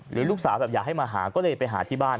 ลูกสาวแบบอยากให้มาหาก็เลยไปหาที่บ้าน